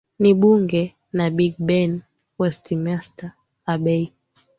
ni Bunge na Big Ben Westminster Abbey